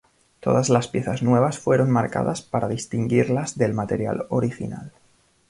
Todas las piezas nuevas fueron marcadas para distinguirlas del material original.